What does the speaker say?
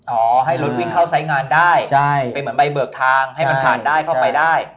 อ๋อให้รถวิ่งเข้าไซส์งานได้ใช่เป็นเหมือนใบเบิกทางให้มันผ่านได้เข้าไปได้